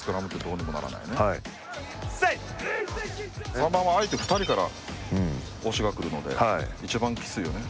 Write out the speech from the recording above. ３番は、相手２人から押しがくるので一番きついよね。